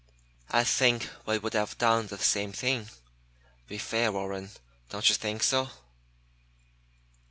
I think we would have done the same thing. Be fair, Warren. Don't you think so?"